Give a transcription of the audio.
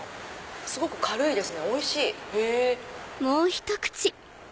すごく軽いですねおいしい！